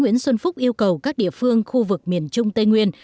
nguyễn xuân phúc yêu cầu các địa phương khu vực miền trung tây nguyên